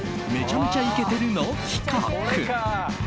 「めちゃ×２イケてるッ！」の企画。